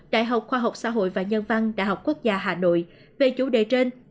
đại học khoa học xã hội và nhân văn đại học quốc gia hà nội về chủ đề trên